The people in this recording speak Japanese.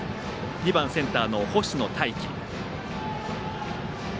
２番、センターの星野泰輝。